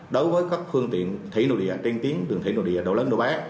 đối với các phương tiện thủy nội địa tiên tiến thủy nội địa đồ lớn đồ bé